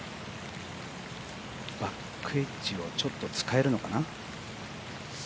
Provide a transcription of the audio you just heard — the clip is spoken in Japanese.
バックウエッジをちょっと使えるのかな。